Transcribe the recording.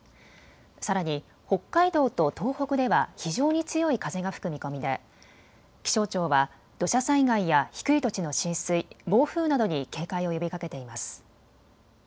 さらに北海道と東北では非常に強い風が吹く見込みで気象庁は土砂災害や低い土地の浸水、暴風などに警戒を呼びかけています。